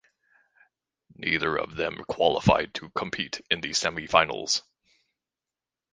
Neither of them qualified to compete in the semifinals.